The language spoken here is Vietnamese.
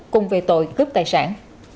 cùng về tội cướp tài sản